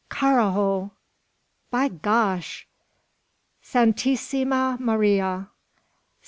"Carrajo!" "By Gosh!" "Santisima Maria!"